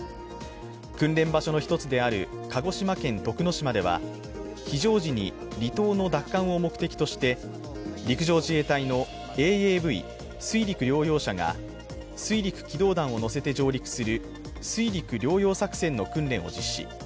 訓練場所の１つである鹿児島県徳之島では非常時に離島の奪還を目的として、陸上自衛隊のＡＡＶ＝水陸両用車が水陸機動団を乗せて上陸する水陸両用作戦の訓練を実施。